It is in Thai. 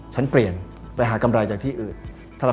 ฉันเปลี่ยนไปหากำไรจากที่อื่น